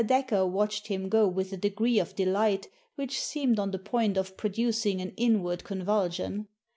Dacre watched him go with a degree of delight which seemed on the point of producing an inward con vulsion.